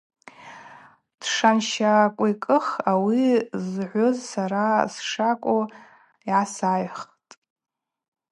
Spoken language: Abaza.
Тшанщаквикӏых ауи згӏвыз сара шсакӏву гӏасайхӏвхтӏ.